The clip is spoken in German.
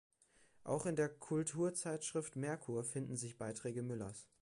Auch in der Kulturzeitschrift Merkur finden sich Beiträge Müllers.